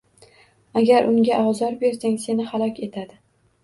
Agar unga ozor bersang, seni halok etadi.